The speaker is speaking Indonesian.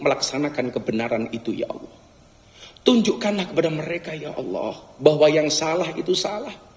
melaksanakan kebenaran itu ya allah tunjukkanlah kepada mereka ya allah bahwa yang salah itu salah